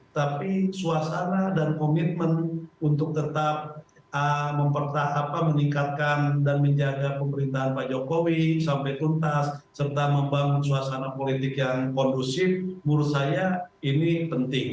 tapi suasana dan komitmen untuk tetap meningkatkan dan menjaga pemerintahan pak jokowi sampai tuntas serta membangun suasana politik yang kondusif menurut saya ini penting